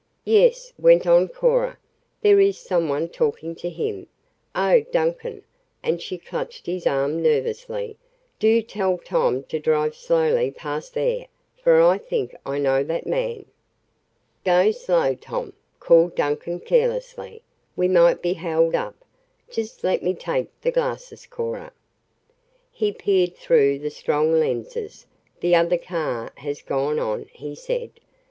"Yes," went on Cora, "there is some one talking to him. Oh, Duncan," and she clutched his arm nervously, "do tell Tom to drive slowly past there, for I think I know that man." "Go slow, Tom," called Duncan carelessly. "We might be held up. Just let me take the glasses, Cora." He peered through the strong lenses. "The other car has gone on," he said.